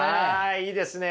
いいですね。